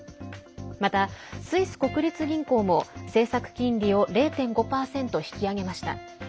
また、スイス国立銀行も政策金利を０．５％引き上げました。